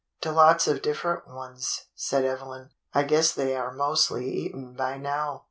"To lots of different ones," said Evelyn. "I guess they are mostly eaten by now.